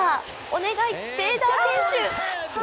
お願い、ベイダー選手。